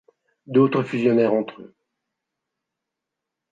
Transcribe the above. D’autres fusionnèrent entre eux.